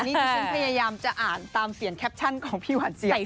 อันนี่ที่ฉันพยายามจะอ่านตามเสียงแคปชั่นของพี่หวานเจี๊ยกนะครับ